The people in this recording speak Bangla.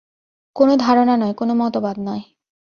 কোন ধারণা নয়, কোন মতবাদ নয়।